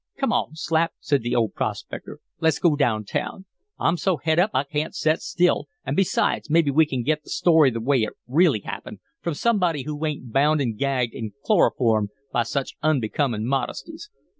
"Come on, Slap," said the old prospector, "let's go down town. I'm so het up I can't set still, an' besides, mebbe we can get the story the way it really happened, from somebody who ain't bound an' gagged an' chloroformed by such unbecomin' modesties.